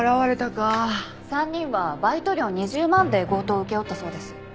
３人はバイト料２０万で強盗を請け負ったそうです。